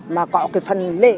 mà có cái phần lệ